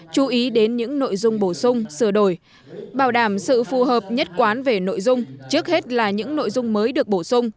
chú ý đến những nội dung bổ sung sửa đổi bảo đảm sự phù hợp nhất quán về nội dung trước hết là những nội dung mới được bổ sung